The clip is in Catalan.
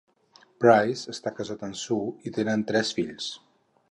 Price està casat amb Sue i tenen tres fills.